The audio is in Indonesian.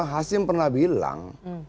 hasim pernah bilang